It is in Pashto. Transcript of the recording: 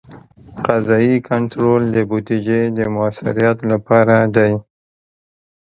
قضایي کنټرول د بودیجې د مؤثریت لپاره دی.